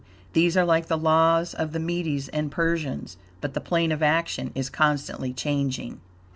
These are like the "laws of the Medes and Persians," but the plane of action is constantly changing.